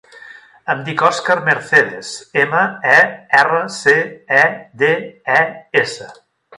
Em dic Òscar Mercedes: ema, e, erra, ce, e, de, e, essa.